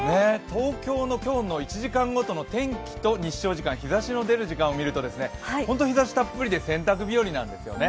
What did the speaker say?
東京の今日の１時間ごとの天気と日照時間、日ざしの出る時間を見ると日ざしたっぷりで洗濯日和なんですよね。